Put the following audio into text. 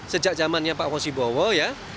sejak zamannya pak fosibowo ya